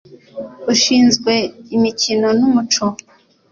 Ushinzwe imikino n umuco